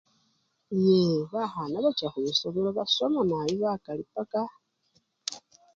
Yee bakhana bacha khwisomelo basoma nabii ate bakali paka.